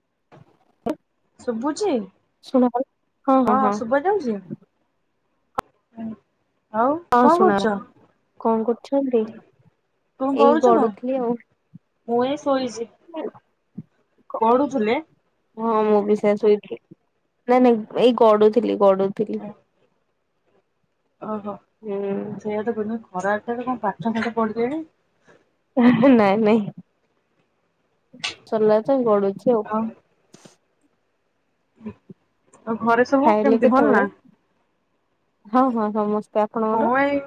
[inaudible] ଶୁଭୁଛି ହଁ ଶୁଭା ଯାଉଛି। ହୁଁ। ହଁ ଶୁଣା ଲା କଣ କରୁଛନ୍ତି କଣ ଏଇ କରୁଛ କଣ? ଗଡୁଥିଲି ଆଉ। ମୁଁ ଏଇ ଶୋଇଛି [inaudible] ପଢୁଥିଲେ। ହଁ ମୁଁ ବି ସେ ଶୋଇଥିଲି ନାଇଁ ନାଇଁ ଏଇ ଗଡୁଥିଲି। ପଢୁଥିଲି। ଓହୋ ହୁଁ। ସେଇଦ ପଣୁ ଖରାଠରେ କଣ ପାଠ ଫାଠ ପଢିଲେଣି। ନାଇଁ ନାଇଁ [inaudible] ସିଲା ତ ଗଡୁଛି। ଛିଓ ହୁ। ଆଉ ଘରେ ସବୁ ଖାଇଲେ କେମିତି ଭଲ ନା। କେତେବେଳେ? ହଁ ହଁ ସମସ୍ତେ ଆପଣଙ୍କର। ହଁ ଏଇ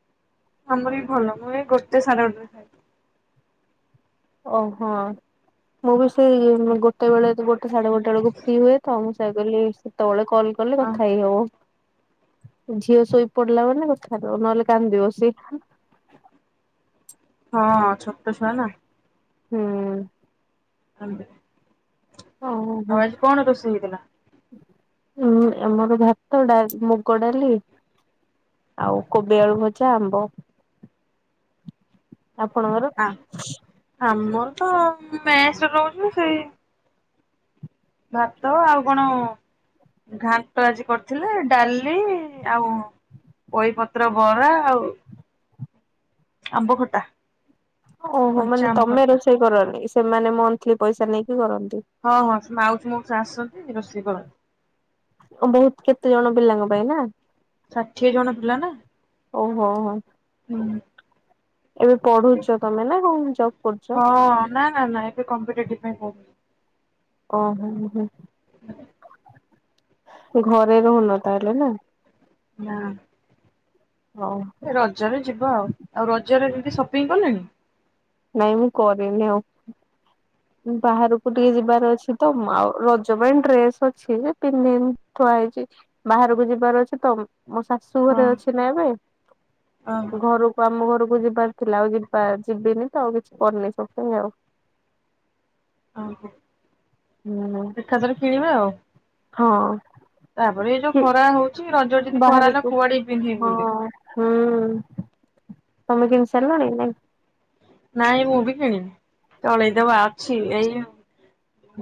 [inaudible] ଆମର ବି ଭଲ ମୁଁ ଏଇ ଗୋଟେ ସାଢେ ଗୋଟେ ରେ ଖାଏ। ଓହୋ ମୁଁ ବି ସେଇ ଗୋଟେ ବେଳେ ଗୋଟେ ସାଢେ ଗୋଟେ ବେଳକୁ ଫ୍ରି ହୁଏ ତ। କଲି ସେ ତଳେ କଲ୍ କଲେ ଅ କଥା ହେଇ ହବ। ଝିଅ ଶୋଇ ପଡିଲା ମାନେ କଥାବ ନହେଲେ କାନ୍ଦିବ ସିଏ। [inaudible] ହଁ ଛୋଟଛୁଆ ନାଁ। ହୁଁ। ହନ୍ତ ଓହୋ ଆଉ ଆଜି କଣ ରୋଷେଇ ହେଇଥିଲା। ହୁଁ ଆମର ଭାତ ଡା ମୁଗ ଡାଲି [inaudible] ଆଉ କୋବି ଆଳୁ ଭଜା ଆମ୍ବ। [inaudible] ଆପଣଙ୍କର? ହଁ ମେଶ୍ ରୁ ରହୁଛୁ ସେଇ ଭାତ ଆଉ କଣ [inaudible] ଘାଣ୍ଟ ଆଜି କରିଥିଲେ। ଡାଲି ଆଉ ପୋଇପତ୍ର ବରା ଆଉ ଆମ୍ବ ଖଟା। [inaudible] ଓହୋ କଞ୍ଚା ମାନେ ଆମ୍ବ ତମେ ଖଟା। ରୋଷେଇ କରନି। ସେମାନେ ମନ୍ଥଲି ପଇସା ନେଇକି କରନ୍ତି। ହଁ ହଁ ଉଛି ମାଉସୀ ମଉସା ଆସଛନ୍ତି ରୋଷେଇ କରନ୍ତି। ବହୁତ କେତେ ଜଣ ପିଲାଙ୍କ ପାଇଁ ନା। ଷାଠିଏ ଜଣ ପିଲା ନା ଓହୋ ହୋ [inaudible] ହୁଁ। ଏବେ ପଢୁଛ ତମେ ନା ରୁ ଜବ୍ କରୁଛ। ହଁ ନା ନା ନା ଏବେ କମ୍ପିଟେଟିପି ପାଇଁ ପଢୁଛି। ଓ ହୋ ହୁଁ। ଘରେ ରହୁନ ତାହାଲେ ନା। ନାଁ। ହଉ ରଜରେ ଯିବା ଆଉ। ଆଉ ରଜରେ ଯ ଟତେ ସପିଙ୍ଗ କଲେଣି। ନାଇଁ ମୁଁ କରିନି ଆଉ ବାହାରକୁ ଟିକେ ଯିବାର ଅଛି ତ। ଆଉ ରଜ ପାଇଁ ଡ୍ରେସ୍ ଅଛି। ଯେ ପିନ୍ଧିନି ଥୁଆ ହେଇଛି। ବାହାରକୁ ଯିବାର ଅଛି ତ। ମୋ ଶାଶୁ ହଁ ଘରେ ଅଛି ନା ଏବେ। ଓହୋ ଘରକୁ ଆମ ଘରକୁ ଯିବାର ଥିଲା ଆଉ ଯ ଯିବିନି। ଆଉ କିଛି କରିନି ସବଥିଙ୍ଗ ଆଉ। ଆଁ ହାଁ ହୁଁ ଏକାଥରେ କିଣିବେ ଆଉ। ହଁ। ତାପରେ ଏ ଯୋଉ କି ଖରା ହଉଛି ରଜ ଯଦି ଖରା ହେଲା ବାହାରକୁ କୁଆଡେ ପିନ୍ଧିକି ହଁ ବୁଲିବୁ। ହୁଁ ତମେ କିଣି ସାରିଲାଣି ନା ନାଇଁ ମୁଁ ବି କିଣିନି ତଳେଇଦବା ଅଛି ଏଇ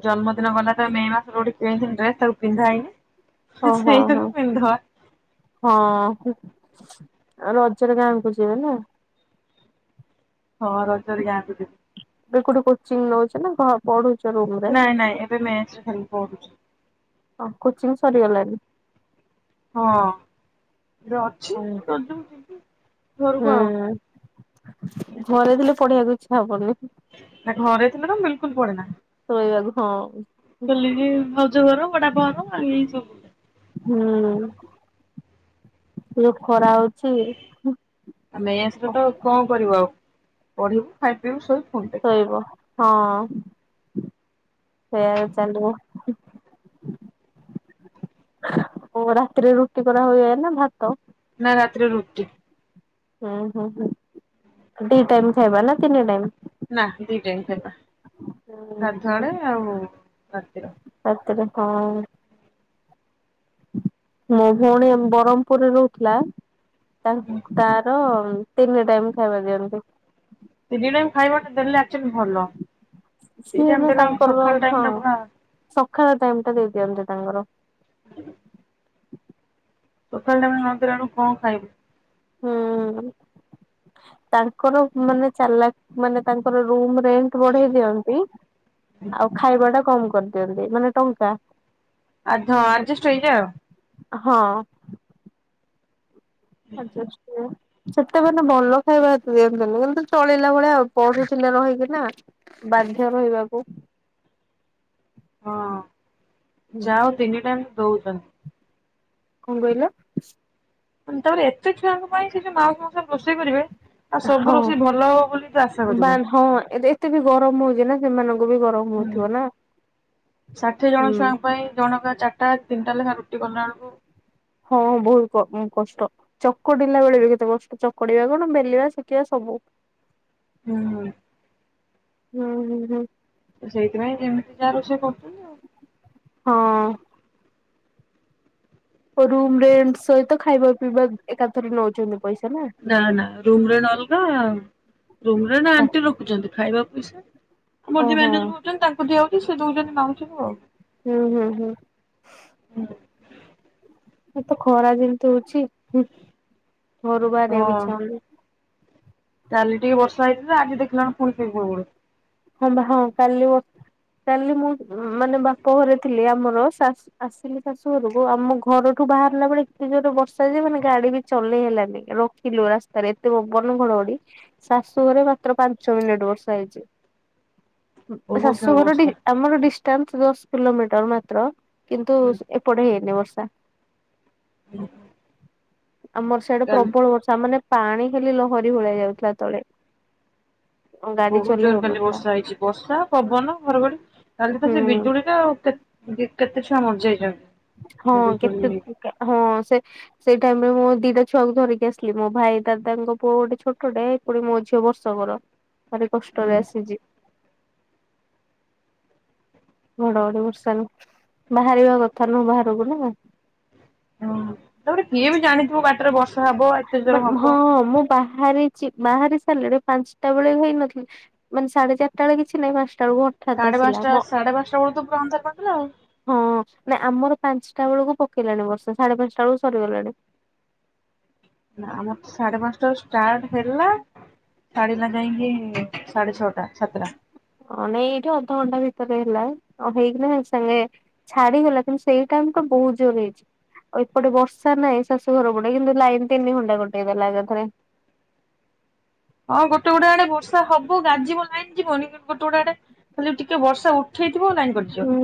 ଜନ୍ମଦିନ ଗଲା ତ ମେ ମାସରୁ ଗୋଠ କିଣିଥିଲି ଡ୍ରେସ ତାକୁୁ ପିନ୍ଧା ହେଇନି। ଓ ହଁ ହଁ ସେଇଟାକୁ ପିନ୍ଧିଦବା ହଁ। ଆଉ ରଜରେ ଗାଁ କୁ ଯିବେ ନା। ହଁ ରଜରେ ଗାଁ କୁ ଯିବି। ଏ କୋଠେ କୋଚିଂ ନଉଛ ନା ପଢୁ ନାଇଁ ନାଇଁ ଏବେ ମେସି ଖାଲି ପୁଢୁଛି। ହଁ କୋଚିଂ ସରିଗଲାଣିି। ହଁ ଅଛି। ଘରକୁ ହୁଁ ଆଉ ଘରେଥିଲେ ପଢିବାକୁ ଇଚ୍ଛା ହବନି। ନା ଘରେ ଥିଲେ ତ ବିଲକୁଲ ପଡେ ନା। ଶୋଇବାକୁ ହଁ। କଲି ଜ ଘର ବଡା ବାର ଆଉ ଏ ସବୁ ପ ଖରା ହଉଛି। ଆମେସଟା ତ କଣ କରିବୁ ଆଉ। ପଢିବୁ ଖାଇ ପିଇବୁ ସ ଶୋଇବ। ହଁ ସେୟା ଚାଲ ଓ [inaudible] ରାତିରେ ରୁଟି କରା ହୁଏ ନା ଭାତ। ନା ରାତିରରେ ରୁଟି। ହୁଁ ହଁ ହୁଁ ଦି ଟାଇମ ଖାଇବା ନା ତିନି ଟାଇମ୍। ନା ଦିଇ ଟାଇମ ଖାଇବା ହୁଁ ହୁଁ ଗାଧୁଆ ବେଳେ ଆଉ ରାତିରେ। ଅ ମୋ ଭଉଣୀ ବ୍ରହ୍ମପୁରରେ ରହୁଥିଲା। ତାଙ୍କ ତାର ହ ତିନି ଟାଇମ୍ ଖାଇବା ଦିଅନ୍ତି। ତିନି ଟାଇମ ଖାଇବା ଟେ ଦେଲେ ଏକାଚୁଲି ଭଲ। ଦି ସିଏ ଟାଇମ୍ ନା ଦେଲେ ଆମକୁ ତାଙ୍କର ସକାଳ ଟାଇମ୍ ହଁ। ଟା ପୁରା ଖରା ଟାଇମ ଟା ଦେଇ ଦିଅନ୍ତି ତାଙ୍କର। [inaudible] ସଖାଳେ ଆମେ ନନ୍ତି ଆଣୁ କଣ ଖାଇବୁ। ହୁଁ ତାଙ୍କର ମାନେ ଚାଲା ମାନେ ତାଙ୍କର ରୁମ ବଢେଇ ଦିଅନ୍ତି ଆଉ ଖାଇବାଟା କମ କରିଦିଅନ୍ତି ମାନେ ଟଙ୍କା। ଆ ହଁ ଆଜେଷ୍ଟ ଏଇଟା। ହଁ। ଆଜଷ୍ଟ ସେତେ ମାନେ ଭଲ ଖାଇବା ହେତେ ଦିଅନ୍ତିନି। କିନ୍ତୁ ଚଳିଲା ଭଳିଆ ଆଉ ପଢିଥିଲେ ରହିକି ନା ବାଧ୍ୟ ରହିବାକୁ। ହଁ। ଯାଅ ତିନି ଟାଇମ୍ ଦଉଛନ୍ତି। କଣ କହିଲେ। ତାପରେ ଏତେ ଛୁଆଙ୍କ ପାଇଁ ସେ ଯୋଉ ମାଉ ସମସରେ ରୋଷେଇ କରିବେ। ଆଉ ସବୁ ହଁ ରୋଷେଇ ଭଲ ହବ ବୋଲି ତ ଆଶା ବା କରିବନି। ହଁ ଏତେ ବି ଗରମ ହଉଛି ନା। ସେମାନଙ୍କୁ। ବି ଗରମ ହୁଁ ହଉଥିବ ନା ଷାଠିଏ ହୁଁ ଜଣ ଛୁଆଙ୍କ ପାଇଁ ଜଣକା ଚାରିଟା ତିନିଟା ଲେଖା ରୁଟି କଲା ବେଳକୁ ହଁ ବହୁତ କଷ୍ଟ ଚକଡିଲା ବେଳେ ବି କେତେ କଷ୍ଟ ଚକଡିବା କଣ ବେଲିବା ଶେଖିବା ସବୁ। ହୁଁ। ହୁଁ ହୁଁ ହୁଁ। ତ ସେଇଥିପାଇଁ ଯେମିତି ଯାହା ରୋଷଇ କରୁଛନ୍ତି ଆଉ। ହଁ। ରୁମ୍ ରେ ସହିତ ଖାଇବା ପିଇବା ଏକାଥରେ ନଉଛନ୍ତି। ନା ନା ରୁମ୍ ରେ ନ ଅଲଗା ରୁମ୍ ରେ ନା ଆଣ୍ଟି ରଖୁଛନ୍ତି। ଖାଇବା ପଇସା ଆମର ଯେ ଓହୋ ମ୍ୟାନେଜର ହୋଉଛନ୍ତି ତାଙ୍କୁ ଦିଅ। ସେ ଦୋଉଛନ୍ତି ମାଗୁଛନ୍ତିି ଆଉ। ହୁଁ ହୁଁ ହୁଁ। ଏ ତ ଖରା ଜିନିତି ହଉଛିଁ। ଘରୁ ବାହାରିବାକୁ ହଁ ଇଚ୍ଛା ହୋଉନି। କାଲି ଟିକେ ବର୍ଷା ହେଇଥିଲା। ଆଜି ଦେଖିଲାଣି ପୁରୀ ଫିରି ଫୁରୁ। ହଁ ବା ହଁ କାଲି କାଲି ମୁଁ ମାନେ ବାପ ଘରେ ଥିଲି। ଆମର ଆସିଲି ଶାଶୁଘରକୁ ଆମ ଘରଠୁ ବାହାରିଲା ବେଳେ ଏତେ ଜୋରରେ ବର୍ଷା ଯେ ମାନେ ଗାଡି ବି ଚଲେଇ ହେଲାନି। ରଖିଲୁ ରାସ୍ତାରେ ଏତେ ପବନ ଘଡଘଡି ଶାଶୁଘରେ ମାତ୍ର ପାଞ୍ଚ ମିନିଟ ବର୍ଷା ହେଇଛି। ବହୁତ ଜୋର ଶାଶୁଘରଟି ବର୍ଷା ଆମର ଡି ଦଶ କିଲୋମିଟର ମାତ୍ର। କିନ୍ତୁ ଏପଟେ ହେଇନି ବର୍ଷ। ସାତ। ହୁଁ ହୁଁ। ଆମର ସ୍ୟାଡେ ପ୍ରବଳ ବର୍ଷା। ମାନେ ପାଣି ଖାଲି ଲହରୀ ଭଳି ଯାଉଥିଲା ତଳେ। ଗାଡି ବହୁତ ଚଲେଇ ଜୋର ହଉ କାଲି ବର୍ଷା ହେଇଛି। ବର୍ଷା ପବନ ଘରଘରି କାଲି ତ ସେ ହୁଁ। ବିଜୁଳି ଟା କେତେ ଛୁଆ ମରି ଯାଇଛନ୍ତି। ହଁ କେତେ ଟ ହଁ ସେ ସେ ଟାଇମରେ ମୁଁ ଦିଟା ଛୁଆକୁ ଧରିକ ଆସିଲି ମୋ ଭାଇ ଦାଦାଙ୍କ ପୁଅ ଗୋଟେ ଛୋଟେ ଏ କୋଟ ମୋ ଝଅ ବର୍ଷକର ଭାରି କଷ୍ଟରେ ଆସିଛି ଘଡଘଡି ବର୍ଷା ନ ବାହାରିବା କଥା ନୁହଁ ବାହାରକୁ ନା। ହୁଁ ତାପରେ କିଏ ବି ଜାଣିଥିବ ବାଟରେ ବର୍ଷ। ହବ ଆତେଜନ ମାନେ ହଁ ହବ ମୁଁ ବାହାରିଛି ବାହାରି ସାରିଲାେ ପାଞ୍ଚଟା ବେଳେ ହେଇନଥିଲେ ମାନେ ସାଢେ ଚାରିଟା ବେଳେ କିଛି ନାହିଁ ପାଞ୍ଚ ସାଢେ ପାଞ୍ଚଟା ସାଢେ ପାଞ୍ଚଟା ବେଳ ତ ପୁରାନ୍ତା ପାଖରେ ଆଉ ହଁ ନା ଆମର ପାଞ୍ଚଟା ବେଳକୁ ପକେଇଲାଣି ବର୍ଷା ସାଢେ ପାଞ୍ଚଟା ବେଳକୁ ସରିଗଲାଣି। ନା ଆମର ସାଢେ ପାଞ୍ଚଟା। ଷ୍ଟାର୍ଟ ହେଲା ସାଡ଼ିୀ ଲଗାଇଙ୍ଗି ସାଢ଼େ ଛୋଟା ସତା ହଁ ନାଇଁ ଏଇଠି ଅଧଘଣ୍ଟା ଭିତରେ ହେଲା ଆଉ ହେଇକିନା ସାଙ୍ଗେ ଛାଡିଗଲା କିନ୍ତୁ ସେଇ ଟାଇମ ତ ବହୁତ ଜୋର ହେଇଛି ଆଉ ଏପଟେ ବର୍ଷା ନାହିଁ ଶାଶୁ ଘର ପଟେ କିନ୍ତୁ ଲାଇନ ତିନି ଘଣ୍ଟା କଟେଇ ଦେଲା ଏକାଥରେ ହଁ ଗୋଟେ ଗୁଡା ଆଡେ ବର୍ଷା ହବ ଗାଜିବ ଲାଇନ୍ ଯିବନି ଗୋଟେ ଗୁଡା ଆଡେ ଖାଲି ଟିକେ ବର୍ଷା ଉଠ ହୁଁ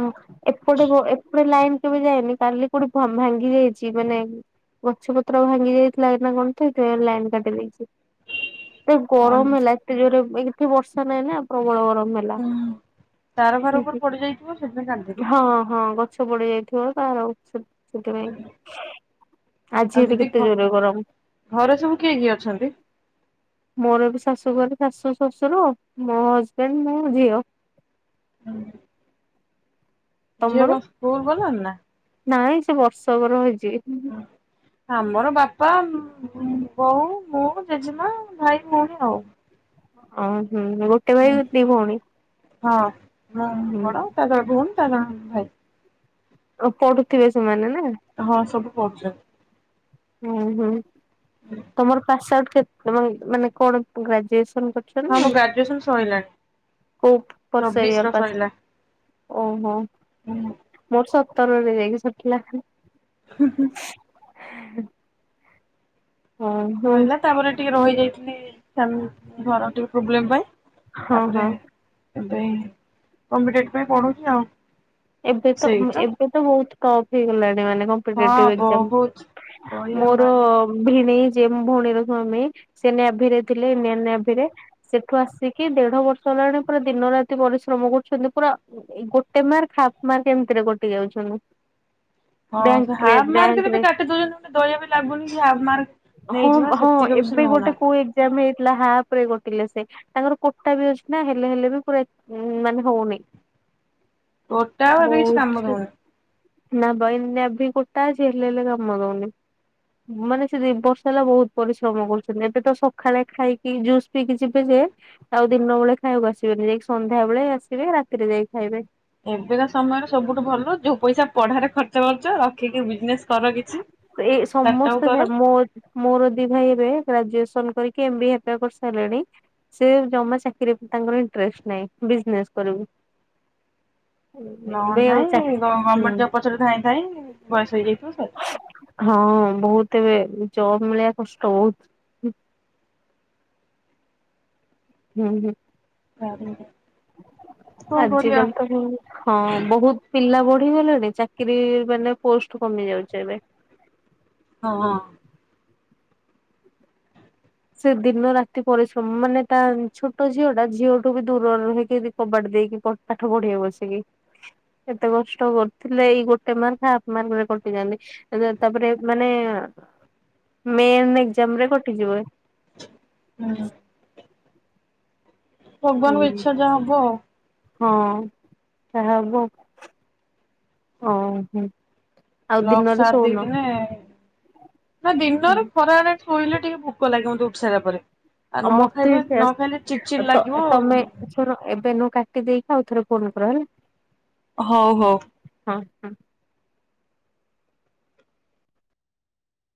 ହଁ ଏପଟେ ଏପଟେ ଲାଇନ୍ କେବେ ଯାଇଏନି କାଲି କୋଉଠି ଭାଙ୍ଗି ଯାଇଛି ମାନେ ଗଛ ପତ୍ର ଭାଙ୍ଗି ଯାଇଥିଲା ନା କଣଇଥି ଲାଇନ୍ କାଟି ଦେଇେଇଛି। ତ ଗରମ ହୁଁ ହେ ଲାଗତେ ଜୋରେ ଏ ଏଠେ ବର୍ଷା ନାଁ ନା ପ୍ରବଳ ଗରମ ମେଲା ତାର ଘାର ଉପରେ ପଡି ଯାଇଥିବ ସେଥିପାଇଁ କାନ୍ଦଦେଇିବଥିଲେ ହଁ ହଁ ଗଛ ପଡି ଯାଇଥିବ ତାର ସେଥିପାଇଁ ଆଜି ଆଉ ଏଟ ଦିଦି ଘ କେତେ ଜୋରେ ଗରମ ଘରେ ସବୁ କିଏ କିଏ ଅଛନ୍ତି? ମୋର ବି ଶାଶୁ ଘରେ ଶାଶୁ ଶ୍ୱଶୁର ମୋ ହଜବେଣ୍ଡ ମୁଁ ଝିଅ ହୁ। ତମର ଯିଣ ସ୍କୁଲ ବନ ନା ନାଇଁ ସେ ବର୍ଷ ବର ହେଇଛି ସେ ଆମର ବାପା ବୋଉ ମୁୋ ଜେଜେମା ଭାଇ ଭଉଣୀ ଆଉ ହଁ। ହୁଁ ଗୋଟେ ଭାଇ ଦି ଭଉଣୀ। ହଁ। ହଁ ବଣ ହୁଁ ତାଙ୍କର ଭୁଣ କ ଭାଇ ପଡୁଥିବେ ସେମାନେ ନା ହଁ ସବୁ। [unintelligible] ହୁଁ ହୁଁ। ତମର ପାସ୍ ଆଉଟ୍ ମାନେ କଣ ଗ୍ରାଜୁଏସ ହଁ ମୋ ଗ୍ରାଜୁଏସନ ସଇଲାଣି କୋଉ ବର୍ଷ ଇୟର ଚବିଶ ର ପାସ୍ ସଇଲା । ଓହୋ। ହୁଁ। ମୋର ସତରରେ ଯାଇକି ସରିଥିଲା । ହୁଁ ହୁଁ। ହୁଁ। ହଁ ସଇଲା ତାପରେ ଟିକେ ରହିଯାଇଥି ଲି ଫ୍ୟାମି ଘର ଟିକେ ପ୍ରୋବ୍ଲେମ୍ ପାଇଁ ହଁ ତାପରେ ହଁ। ଏବେ କମ୍ପିଟେଟିଭ ପାଇଁ ପଢୁଛି ଆଭି ଉ। ଏବେ ତ ଏବେ ତ ବହୁତ ଟଫ୍ ହେଇଗଲାଣି । ମାନେ ହଁ କମ୍ପିଟେଟିଭ ଏକ୍ଜାମ୍ ବହୁତ କହିବାକୁ ମୋର ନାହିଁ। ଭିଣେଇ ଯେ ଭଉଣୀର ସ୍ୱାମୀ ସେ ନ୍ୟାଭି ରେ ଥିଲେ ଇଣ୍ଡିଆନ ନ୍ୟାଭି ରେ ସେଠୁ ଆସିକି ଦେଢ ବର୍ଷ ହେଲାଣି ପୁରା ଦିନ ରାତି ପରିଶ୍ରମ କରୁଛନ୍ତି ପୁରା ଗୋଟେ ମାର୍କ ହାଫ ମାର୍କ ଏମିତିରେ କଟି ଯାଉଛନ୍ତି। ହଁ ସେ ବ୍ୟାଙ୍କରେ ହାଫ୍ ମାର୍କରେ ବି ବ୍ୟାଙ୍କରେ କାଟି ଦଉଛନ୍ତି ଗୋଟେ ଦୟା ବି ଲାଗୁନି କି ହାଫ୍ ମାର୍କ ହଁ ନେଇଯିବା ସେତିକ ବି ସେ ନଉନାହାଁନ୍ତି ହାଫ୍ ରେ କଟିଲେ ସେ ତାଙ୍କର କୋଟା ବି ଅଛି ନା ହେଲେ ହେଲେ ବି ପୁରା ମାନେ ହଉନି । କୋଟା ଆଉ ଏବେ କିଛି କାମ ଦଉନି। ନା ଭାଇନ ବି କୋଟା ଯେ ହେଲେ ହେଲେ କାମ ଦଉନି ମାନେ ସେ ବର୍ଷ ହେଲା ବହୁତ ପରିଶ୍ରମ କରୁଛନ୍ତି ଏବେ ତ ସକାଳେ ଖାଇକି ଜୁସ୍ ପିଇକି ଯିବେ ଯେ ଆଉ ଦିନ ବେଳେ ଖାଇବାକୁ ଆସିବେନି ଯାଇକି ସନ୍ଧ୍ୟାବେଳେ ଆସିବେ ରାତିରେ ଯାଇକି ଖାଇବେ। ଏବେକା ସମୟରେ ସବୁଠୁ ଭଲ ଯୋଉ ପଇସା ପଢାରେ ଖର୍ଚ୍ଚ କରୁଚ ରଖିକି ବିଜନେସ କର କିଛି ଏଇ ଷ୍ଟାର୍ଟ ଅପ ସମସ୍ତେ କର ମୋ ମୋର ଦି ଭାଇ ଏବେ ଗ୍ରାଜୁଏସନ୍ ଏସନ୍ କରିକି ଏମ୍ ବି ଏ ହେରିକା କରିସାରିଲେଣି ସେ ଜମା ଚାକିରୀ ଉପରେ ତାଙ୍କର ଇଣ୍ଟ୍ରେଷ୍ଟ ନାହିଁ ବିଜନେସ କରିବୁ। ଏବେ ଆଉ ନହେଲେ ଚା ନାଇଁ ଗମେଣ୍ଟ ହୁଁ ଜବ ପଛରେ ଧାଇଁ ଧାଇଁ ବୟସ ହେଇଯାଇଥିବ ସରିଲା। ହଁ ବହୁତ ଏବେ ଜବ ମିଳିବା କଷ୍ଟ ବହୁତ। ହୁଁ ହୁଁ। [unintelligible] କଣ କରିବା ଆଜିିକାଲି ତ ହଁ ବହୁତ ପିଲା ବ ଢି ଗଲେଣି ଚାକିରୀ ମାନେ ପୋଷ୍ଟ କମି ଯାଉଛି ଏବେ ହଁ ହଁ। ସେ ଦିନ ରାତି ପରିଶ୍ରମ ମାନେ ତା ଛୋଟ ଝିଅ ଟା ଝିଅଠୁ ବି ଦୂରରେ ରହିକି ବି କବାଟ ଦେଇକି ପାଠ ପଢିବ ବସିକି ଏତେ କଷ୍ଟ କରୁଥିଲେ ଏଇ ଗୋଟେ ମାର୍କ ହାଫ୍ ମାର୍କରେ କଟିଯାଆନ୍ତି ତାପରେ ମାନେ ମେନ୍ ଏକଜାମ ରେ କଟିଯିବ। ହୁଁ। ଭଗବାନଙ୍କ ହୁଁ। ଇଚ୍ଛା ଯାହା ହବ ଆଉ। ହଁ ଯାହା ହବ ଆଉ ହଉ ହଉ। ଲକ୍ ସ ଦେଇଦିନ ନା ଦିନରେ ଖରା ଆଣେ ଶୋଇଲେ ଟିକେ ଭୋକ ଲାଗେ ମତେ ଉଠିସାରିଲା ପରେ। ଆଉ ନ ମତେ ଖାଇବେ ବି ନ ଖାଇଲେ ଚିଡ୍ ଚିଡ୍ ସେ ଲାଗିବ ଆଉ। ତମେ ଶଣ ଏବେ ନୁ କାଟି ଦେଇକି। ଆଉଥରେ ଫୋନ କର ହେଲା। ହଉ ହଉ। ହଁ ହଁ।